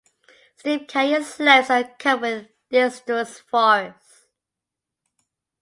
Steep canyon slopes are covered with deciduous forest.